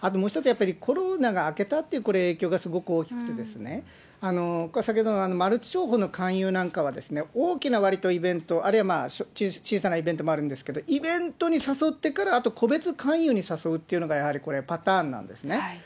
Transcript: やっぱり、コロナが明けたと、これ、影響がすごく大きくてですね、先ほどマルチ商法の勧誘なんかは、大きなわりとイベント、あるいは小さなイベントもあるんですけど、イベントに誘ってから、あと個別勧誘に誘うというのが、やはりこれ、パターンなんですね。